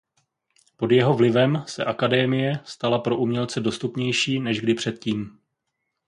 Pod jeho vlivem se Académie stala pro umělce dostupnější než kdy předtím.